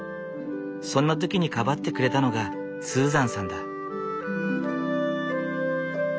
そんな時にかばってくれたのがスーザンさんだ。